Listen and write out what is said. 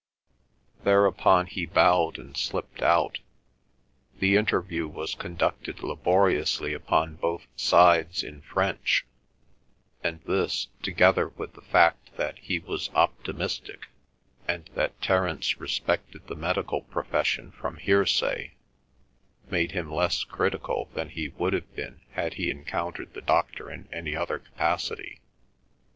Thereupon he bowed and slipped out. The interview was conducted laboriously upon both sides in French, and this, together with the fact that he was optimistic, and that Terence respected the medical profession from hearsay, made him less critical than he would have been had he encountered the doctor in any other capacity.